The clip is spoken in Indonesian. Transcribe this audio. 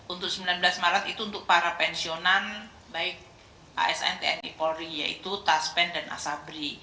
untuk sembilan belas maret itu untuk para pensiunan baik asn tni polri yaitu taspen dan asabri